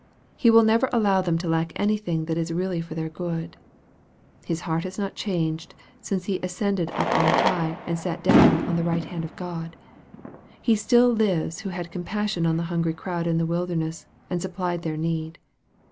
He will never allow them to lack anything that is really for their good. His heart is not changed since He as cended up on high, and sat down on the right hand of God. He still lives who had compassion on the hungry crowd in the wilderness, and supplied their need.